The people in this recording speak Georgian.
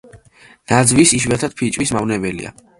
ნაძვის, იშვიათად ფიჭვის მავნებელია.